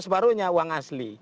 separuhnya uang asli